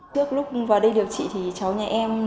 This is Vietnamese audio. trước lúc vào đây điều trị thì cháu nhà em